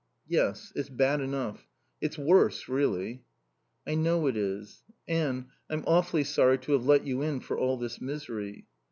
"Yes. It's bad enough. It's worse, really." "I know it is.... Anne I'm awfully sorry to have let you in for all this misery."